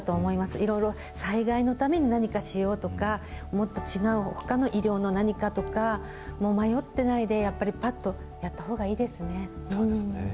いろいろ災害のために何かしようとか、もっと違うほかの医療の何かとか、迷ってないで、やっぱりそうですね。